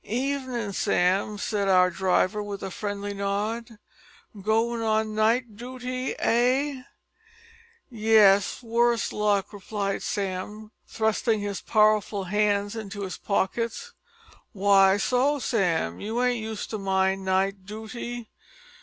"Evenin', Sam," said our driver with a friendly nod; "goin' on night dooty, eh?" "Yes, worse luck," replied Sam, thrusting his powerful hands into his pockets. "Why so, Sam, you ain't used to mind night dooty?"